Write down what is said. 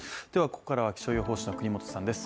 ここからは気象予報士の國本さんです。